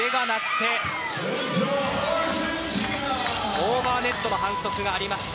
オーバーネットの反則がありました。